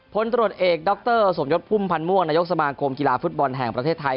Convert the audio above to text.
ผลตรวจเอกดรสมยศพุ่มพันธ์ม่วงนายกสมาคมกีฬาฟุตบอลแห่งประเทศไทย